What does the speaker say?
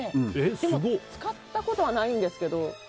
でも使ったことはないんですけど。